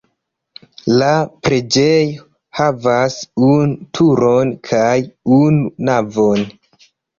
La preĝejo havas unu turon kaj unu navon.